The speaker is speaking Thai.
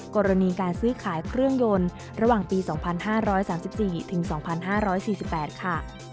กรณีการซื้อขายเครื่องยนต์ระหว่างปี๒๕๓๔ถึง๒๕๔๘ค่ะ